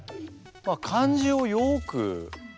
漢字をよく見る。